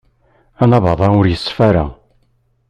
Anabaḍ-a ur yeṣfi ara.